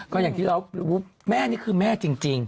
ก็อย่างที่เรารู้แม่นี่คือแม่จริง